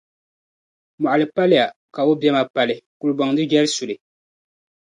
Mɔɣili paliya ka o biɛma pali; kulibɔŋ di jɛri suli.